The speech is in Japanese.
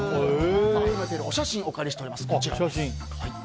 お写真をお借りしております。